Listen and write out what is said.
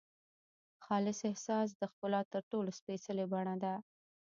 خالص احساس د ښکلا تر ټولو سپېڅلې بڼه ده.